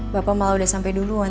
bapak malah udah sampai duluan